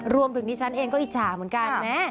รวมถึงที่ฉันเองก็อิจฉาเหมือนกันเนี่ย